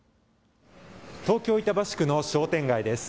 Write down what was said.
東京板橋区の商店街です。